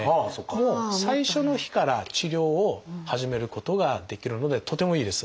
もう最初の日から治療を始めることができるのでとてもいいです。